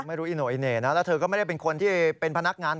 แล้วเธอก็ไม่ได้เป็นคนที่เป็นพนักงาน